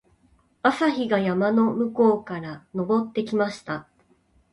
朝日が山の向こうから昇ってきました。